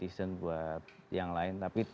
tapi terima kasih juga terutama buat guru